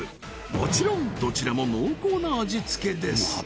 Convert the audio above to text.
もちろんどちらも濃厚な味付けです